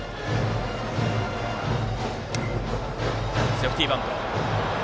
セーフティーバント。